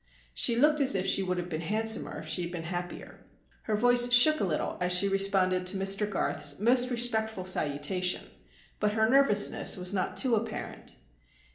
She looked as if she would have been handsomer if she had been happier. Her voice shook a little as she responded to Mr Garth's most respectful salutation, but her nervousness was not too apparent.